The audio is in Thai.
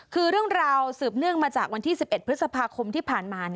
คือเรื่องราวสืบเนื่องมาจากวันที่๑๑พฤษภาคมที่ผ่านมา